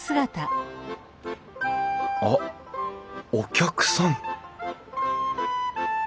あっお客さん